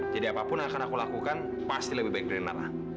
jadi apapun yang akan aku lakukan pasti lebih baik dari nara